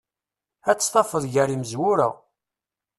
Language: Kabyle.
Ad tt-tafeḍ gar imezwura.